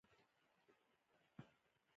انګور د افغانستان د اقتصاد برخه ده.